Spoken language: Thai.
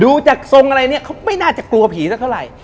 ดูจากทรงอะไรเนี่ยเขาไม่น่าจะกลัวผีสักเท่าไหร่